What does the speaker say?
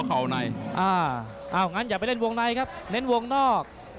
แล้วกันอย่าไปเล่นวงในนี้ครับเล่นวงนอก